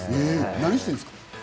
何をしてるんですか？